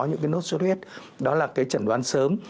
những cái nốt sốt huyết đó là cái chẩn đoán sớm